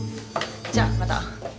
じゃあまた。